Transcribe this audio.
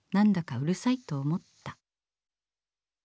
うるさいとおもった」。